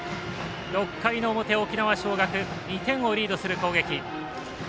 ６回の表、沖縄尚学２点をリードする攻撃。